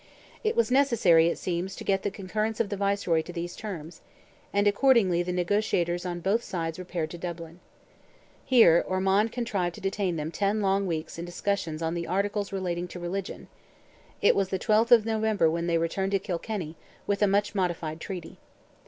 It was necessary, it seems, to get the concurrence of the Viceroy to these terms, and accordingly the negotiators on both sides repaired to Dublin. Here, Ormond contrived to detain them ten long weeks in discussions on the articles relating to religion; it was the 12th of November when they returned to Kilkenny, with a much modified treaty.